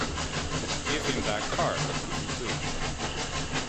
Give him that card if you please.